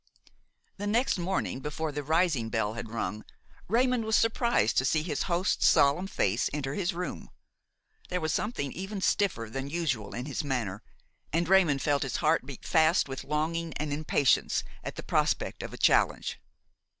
The next morning, before the rising bell had rung, Raymon was surprised to see his host's solemn face enter his room. There was something even stiffer than usual in his manner, and Raymon felt his heart beat fast with longing and impatience at the prospect of a challenge.